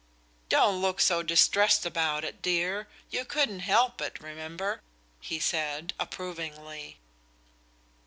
"Don't look so distressed about it, dear. You couldn't help it, remember," he said, approvingly.